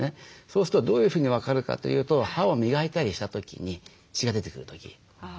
そうするとどういうふうに分かるかというと歯を磨いたりした時に血が出てくる時。